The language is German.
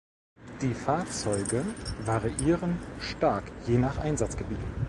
Die Fahrzeuge variieren stark je nach Einsatzgebiet.